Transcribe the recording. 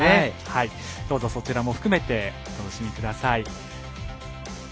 どうぞ、そちらも含めてお楽しみください。